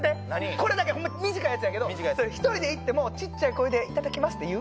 これだけホンマ短いやつやけど１人で行ってもちっちゃい声で「いただきます」って言う？